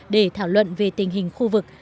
để thảo luận về tình hình khu vực